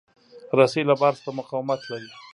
رسۍ له بار سره مقاومت لري.